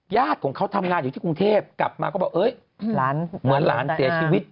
ญาติของเขาทำงานอยู่ที่กรุงเทพกลับมาก็บอกเหมือนหลานเสียชีวิต